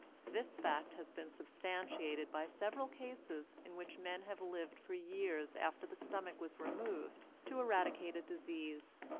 This fact has been substantiated by several cases in which men have lived for years after the stomach was removed to eradicate a disease.